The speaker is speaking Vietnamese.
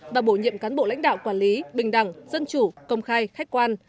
và bổ nhiệm cán bộ lãnh đạo quản lý bình đẳng dân chủ công khai khách quan